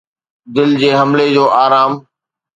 دل جي حملي جو آرام